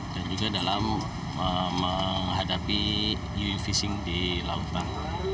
dan juga dalam menghadapi u fishing di lautan